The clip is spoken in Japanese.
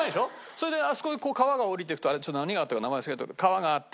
それであそこに川が下りていくとあれ何川だったか名前忘れたけど川があって。